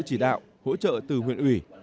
chỉ đạo hỗ trợ từ huyện ủy